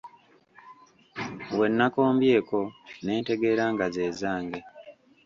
Bwe nakombyeko, ne ntegeera nga ze zange.